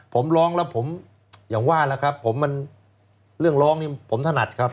ผมร้องแล้วผมอย่างว่าแล้วครับเรื่องร้องผมถนัดครับ